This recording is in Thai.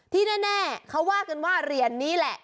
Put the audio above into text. ที่แน่เขาว่ากันว่าเหรียญนี้แหละ